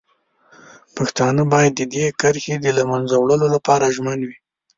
پښتانه باید د دې کرښې د له منځه وړلو لپاره ژمن وي.